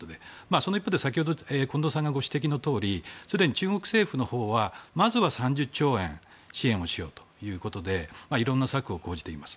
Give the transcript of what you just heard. その一方で先ほど近藤さんがご指摘のとおり中国政府は、まずは３０兆円支援をしようということでいろんな策を講じています。